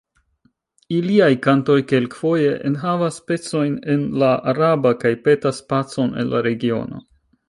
Iliaj kantoj kelk-foje enhavas pecojn en la araba, kaj petas pacon en la regiono.